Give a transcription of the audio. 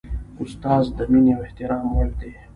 استاد د مینې او احترام وړ دی.